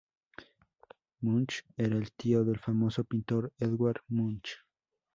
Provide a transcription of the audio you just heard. Munch era el tío del famoso pintor Edvard Munch.